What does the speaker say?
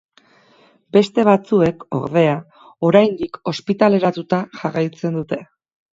Beste batzuek, ordea, oraindik ospitaleratuta jarraitzen dute.